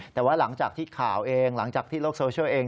แต่ว่าหลังจากที่ข่าวเองหลังจากที่โลกโซเชียลเอง